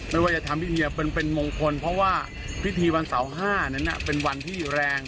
ไม่ว่าจะทำพิธีเป็นมงคลเพราะว่าพิธีวันเสาร์๕นั้นเป็นวันที่แรง